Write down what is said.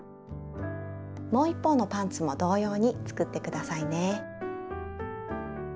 もう一方のパンツも同様に作って下さいね。